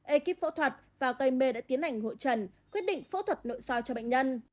ekip phẫu thuật và km đã tiến hành hội trần quyết định phẫu thuật nội so cho bệnh nhân